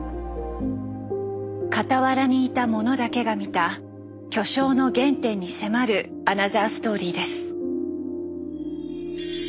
傍らにいた者だけが見た巨匠の原点に迫るアナザーストーリーです。